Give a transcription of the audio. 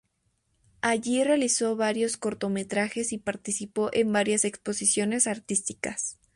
Allí realizó varios cortometrajes y participó en varias exposiciones artísticas.